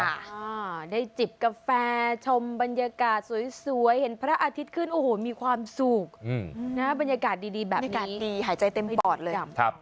อ่าได้จิบกาแฟชมบรรยากาศสวยเห็นพระอาทิตย์ขึ้นโอ้โหมีความสุขนะบรรยากาศดีดีแบบนี้ดีหายใจเต็มปอดเลย